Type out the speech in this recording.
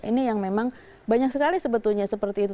ini yang memang banyak sekali sebetulnya seperti itu